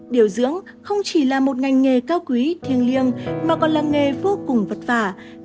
điều dưỡng không chỉ là một ngành nghề cao quý thiêng liêng mà còn là nghề vô cùng vất vả